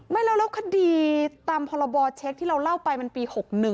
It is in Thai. ไม่แล้วคดีตามพรบเช็คที่เราเล่าไปมันปี๖๑